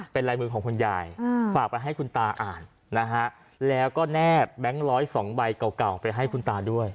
เป็นลายมือของคุณยายฝากไปให้คุณตาอ่านนะฮะแล้วก็แนบแบงค์ร้อยสองใบเก่าไปให้คุณตาด้วย